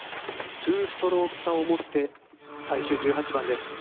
２ストローク差を持って最終１８番です。